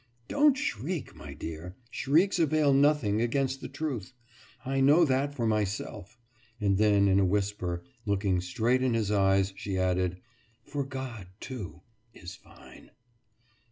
»Don't shriek, my dear. Shrieks avail nothing against the truth I know that for myself.« And then in a whisper, looking straight in his eyes, she added: »For God, too, is fine!